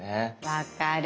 分かる。